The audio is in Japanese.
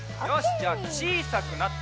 じゃあちいさくなって。